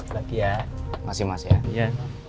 lagi ya masih masih ya